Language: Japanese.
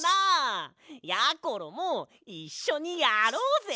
やころもいっしょにやろうぜ！